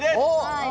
はい。